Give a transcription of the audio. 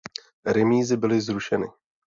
Remízy byly zrušeny.